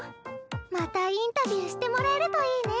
またインタビューしてもらえるといいね。